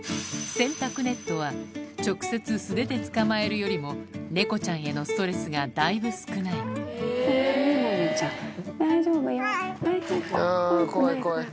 洗濯ネットは直接素手で捕まえるよりもネコちゃんへのストレスがだいぶ少ないはいはい。